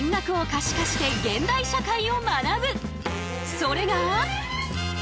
それが。